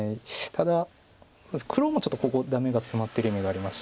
ただ黒もちょっとここダメがツマってる意味がありまして。